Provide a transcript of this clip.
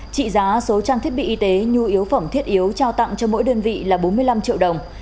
trị giá số trang thiết bị y tế nhu yếu phẩm thiết yếu trao tặng cho mỗi đơn vị là bốn mươi năm triệu đồng